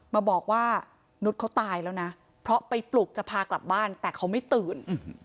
มาบอกว่านุษย์เขาตายแล้วนะเพราะไปปลุกจะพากลับบ้านแต่เขาไม่ตื่น